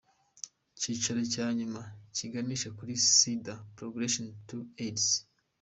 Ikiciro cyanyuma kiganisha kuri Sida: Progression to Aids.